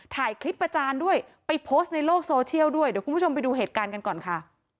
ถ่ายคลิปประจานด้วยไปโพสต์ในโลกโซเชียลด้วยเดี๋ยวคุณผู้ชมไปดูเหตุการณ์กันก่อนค่ะ